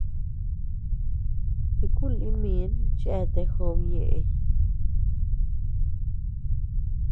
Chiku lï min cheatea jobe ñeʼeñ.